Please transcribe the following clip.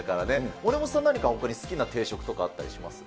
森本さん、何かほかに好きな定食とかあったりしますか？